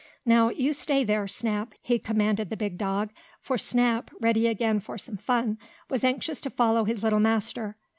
"Now you stay there, Snap!" he commanded the big dog, for Snap, ready again for some fun, was anxious to follow his little master.